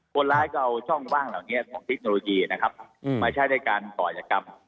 คนร้ายก็เอาช่องว่างเหล่านี้ของเทคโนโลยีนะครับมาใช้ในการก่อยกรรม